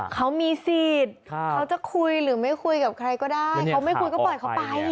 เขามีสิทธิ์เขาจะคุยหรือไม่คุยกับใครก็ได้เขาไม่คุยก็ปล่อยเขาไป